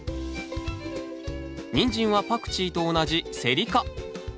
ニンジンはパクチーと同じセリ科。